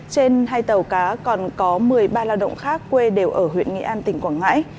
trên hai tàu cá còn có một mươi ba lao động khác quê đều ở huyện nghĩa an tỉnh quảng ngãi